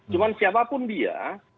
cuma siapapun dia